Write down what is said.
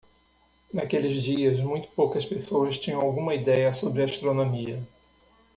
Naqueles dias?, muito poucas pessoas tinham alguma ideia sobre astronomia.